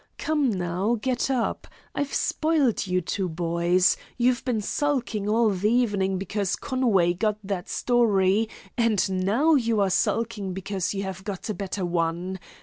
Come, now, get up. I've spoiled you two boys. You've been sulking all the evening because Conway got that story, and now you are sulking because you have got a better one.